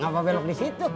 ngapa belok disitu